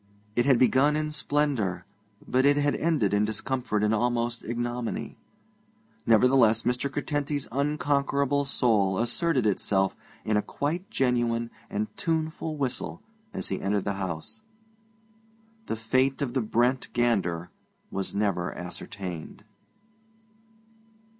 It had begun in splendour, but it had ended in discomfort and almost ignominy. Nevertheless, Mr. Curtenty's unconquerable soul asserted itself in a quite genuine and tuneful whistle as he entered the house. The fate of the Brent gander was never ascertained.